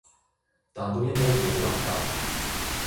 但都應該會好難㗎